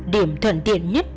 điểm thuận tiện nhất